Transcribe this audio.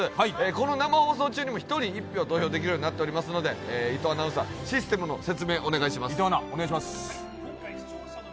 この生放送中にも１人１票、投票できるようになっていますので伊藤アナウンサー、システムの説明お願いします。